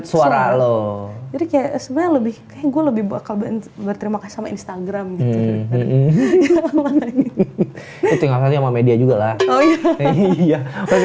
luar alo lebih gua lebih bakal berterima kasih sama instagram juga lah instagram sih takutnya